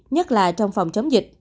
nhất là trong phòng chống dịch